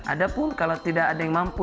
adapun kalau tidak ada yang mampu